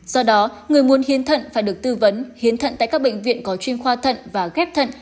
do đó người muốn hiến thận phải được tư vấn hiến thận tại các bệnh viện có chuyên khoa thận và ghép thận